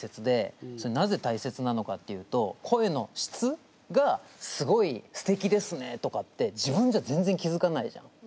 なぜ大切なのかっていうと「声の質がすごいすてきですね」とかって自分じゃ全然気付かないじゃん。